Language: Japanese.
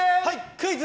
クイズ！